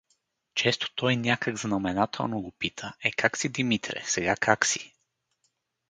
Често той някак знаменателно го пита: „Е, как си, Димитре, сега как си!“